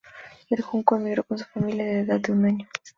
Del Junco emigró con su familia a la edad de un año.